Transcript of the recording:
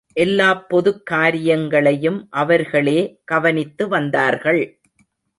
எல்லாப் பொதுக் காரியங்களையும் அவர்களே கவனித்து வந்தார்கள்.